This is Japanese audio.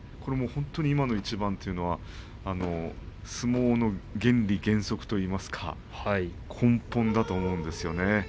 今の一番というのは相撲の原理原則といいますか根本だと思うんですよね。